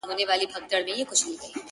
ه ولي په زاړه درد کي پایماله یې ـ